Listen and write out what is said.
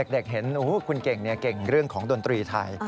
เด็กเห็นคุณเก่งเก่งเรื่องของดนตรีไทย